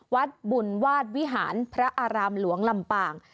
วัดบุญวาดวิหารพระอารามหลวงลำปาง